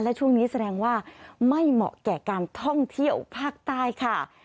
และช่วงนี้แสดงว่าไม่เหมาะแก่การท่องเที่ยวภาคใต้ค่ะ